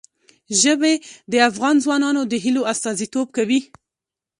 ژبې د افغان ځوانانو د هیلو استازیتوب کوي.